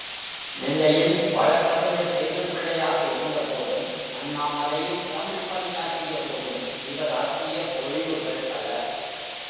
நெல்லையில் வழக் கறிஞர் சேதுப்பிள்ளையாக இருந்தபோதும், அண்ணாமலையில் தமிழ்ப் பணியாற்றியபோதும் இவர் ஆற்றிய பொழிவுகள் பல.